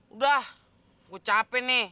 udah gue capek nih